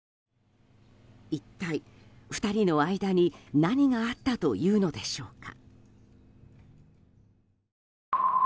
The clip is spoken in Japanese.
一体、２人の間に何があったというのでしょうか。